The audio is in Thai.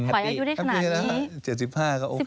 ไขว้อายุได้ขนาดนี้